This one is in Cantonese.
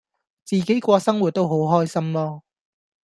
自己過生活都好開心囉